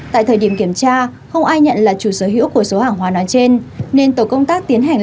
tại thời điểm kiểm tra không ai nhận là chủ sở hữu của số hàng hóa nói trên nên tổ công tác tiến hành